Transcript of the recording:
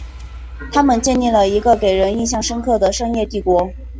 他们建立了一个给人印象深刻的商业帝国。